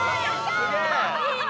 すげえ！